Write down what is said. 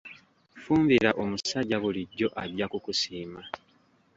Fumbira omusajja bulijjo ajja kukusiima.